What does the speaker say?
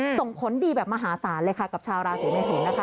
ส่งผลดีแบบมหาศาลเลยค่ะกับชาวราศีเมทุนนะคะ